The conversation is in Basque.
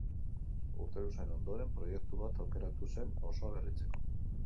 Urte luzeen ondoren, proiektu bat aukeratu zen auzoa berritzeko.